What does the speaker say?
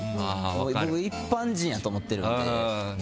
僕、一般人やと思ってるんで。